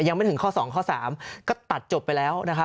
ยังไม่ถึงข้อ๒ข้อ๓ก็ตัดจบไปแล้วนะครับ